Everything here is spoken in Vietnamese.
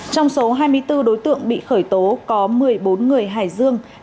trong số hai mươi bốn đối tượng bị khởi tố có một mươi bốn người hải dương